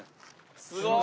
すごい！